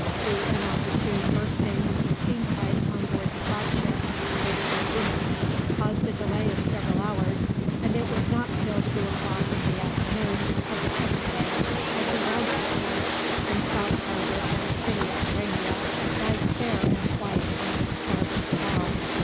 The inopportune bursting of a steam pipe on board the flagship, the Fortuna, caused a delay of several hours, and it was not till two o'clock in the afternoon of the second day that he rounded the point and saw the harbour and city of Laurania rise fair and white on the starboard bow.